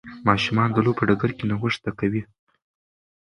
ماشومان د لوبو په ډګر کې نوښت زده کوي.